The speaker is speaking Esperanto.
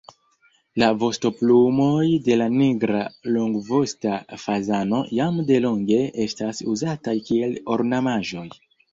La vostoplumoj de la nigra longvosta fazano jam delonge estas uzataj kiel ornamaĵoj.